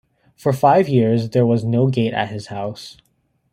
For five years there was no gate at his house.